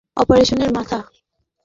আমি এই পুরো অপারেশনের মাথা।